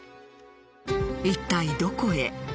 いったいどこへ。